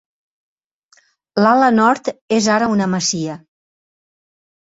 L'ala nord és ara una masia.